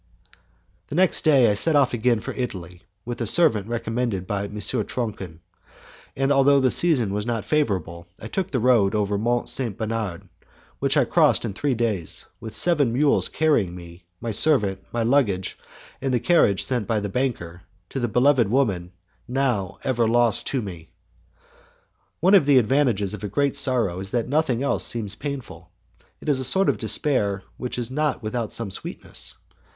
The next day I set off again for Italy with a servant recommended by M. Tronchin, and although the season was not favourable I took the road over Mont St. Bernard, which I crossed in three days, with seven mules carrying me, my servant, my luggage, and the carriage sent by the banker to the beloved woman now for ever lost to me. One of the advantages of a great sorrow is that nothing else seems painful. It is a sort of despair which is not without some sweetness.